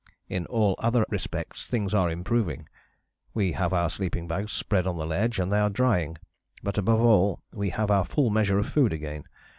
In all other respects things are improving. We have our sleeping bags spread on the sledge and they are drying, but, above all, we have our full measure of food again.